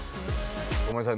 ごめんなさい。